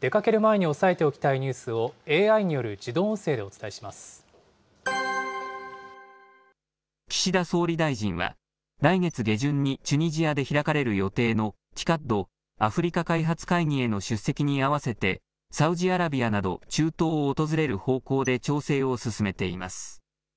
出かける前に押さえておきたいニュースをＡＩによる自動音声でお岸田総理大臣は、来月下旬にチュニジアで開かれる予定のＴＩＣＡＤ・アフリカ開発会議への出席に合わせて、サウジアラビアなど中東を訪れる方向で調整を進めています。